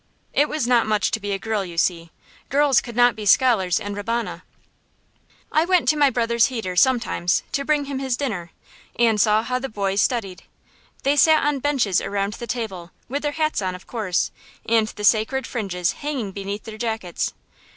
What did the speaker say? It was not much to be a girl, you see. Girls could not be scholars and rabbonim. I went to my brother's heder, sometimes, to bring him his dinner, and saw how the boys studied. They sat on benches around the table, with their hats on, of course, and the sacred fringes hanging beneath their jackets.